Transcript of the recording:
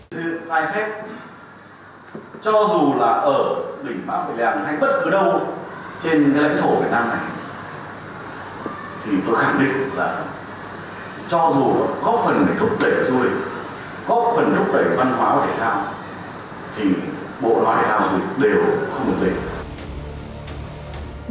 sự sai phép cho dù là ở đỉnh mã pì lèng hay bất cứ đâu trên lãnh thổ việt nam này thì tôi khẳng định là cho dù có phần đúc đẩy du lịch có phần đúc đẩy văn hóa và thể thao thì bộ đoàn thể thao dù đều không được phép